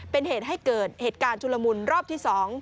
เป็นเหตุให้เกิดเหตุการณ์ชุลมุนรอบที่๒